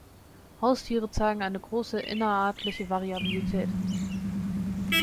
Haustiere zeigen eine große innerartliche Variabilität.